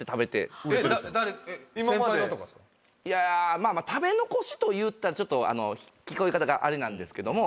まあまあ食べ残しと言ったら聞こえ方があれなんですけども。